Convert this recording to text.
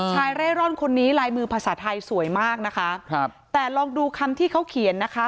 เร่ร่อนคนนี้ลายมือภาษาไทยสวยมากนะคะครับแต่ลองดูคำที่เขาเขียนนะคะ